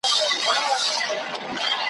که ګدا دی که سلطان دی له انجامه نه خلاصیږي `